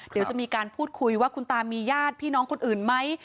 เดี๋ยวจะมีการพูดคุยว่าคุณตามีญาติพี่น้องคนอื่นไหม